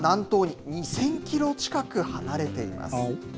場所は東京から南東に２０００キロ近く離れています。